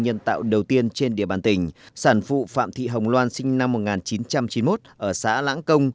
nhân tạo đầu tiên trên địa bàn tỉnh sản phụ phạm thị hồng loan sinh năm một nghìn chín trăm chín mươi một ở xã lãng công